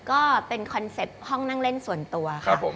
ก็เป็นคอนเซ็ปต์ห้องนั่งเล่นส่วนตัวค่ะ